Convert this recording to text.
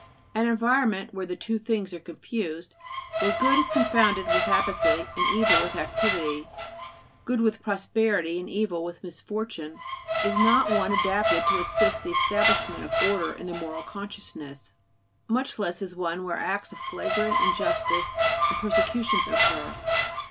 An environment where the two things are confused, where good is confounded with apathy and evil with activity, good with prosperity and evil with misfortune, is not one adapted to assist the establishment of order in the moral consciousness, much less is one where acts of flagrant injustice and persecutions occur.